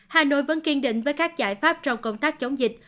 hà nội vẫn kiên định với các giải pháp trong công tác chống dịch